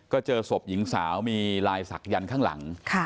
ก็เจอศพหญิงสาวมีลายศักดันข้างหลัง